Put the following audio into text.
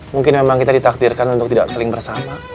mungkin memang kita ditakdirkan untuk tidak saling bersama